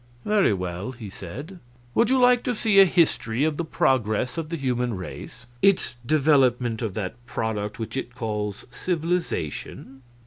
"Very well," he said; "would you like to see a history of the progress of the human race? its development of that product which it calls civilization?"